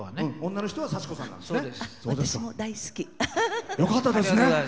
女の人は幸子さんなんですね。